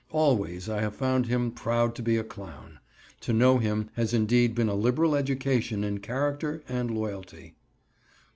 Always I have found him proud to be a clown. To know him has indeed been a liberal education in character and loyalty.